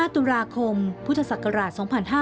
ตุลาคมพุทธศักราช๒๕๕๙